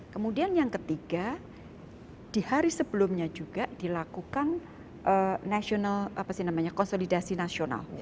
kemudian yang ketiga di hari sebelumnya juga dilakukan national apa sih namanya konsolidasi nasional